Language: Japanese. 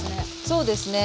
そうですね。